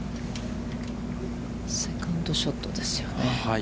セカンドショットですよね。